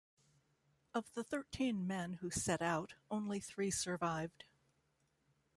Of the thirteen men who set out, only three survived.